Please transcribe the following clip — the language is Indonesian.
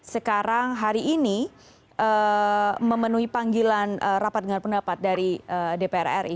sekarang hari ini memenuhi panggilan rapat dengan pendapat dari dpr ri